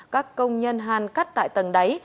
các công nhân hàn cắt tại tầng đáy